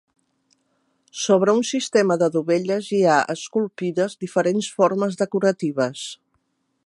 Sobre un sistema de dovelles hi ha, esculpides diferents formes decoratives.